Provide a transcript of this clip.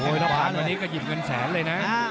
ถ้าผ่านวันนี้ก็หยิบเงินแสนเลยนะ